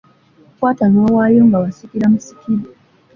Kwata n’owaayo, nga wasikira musikire.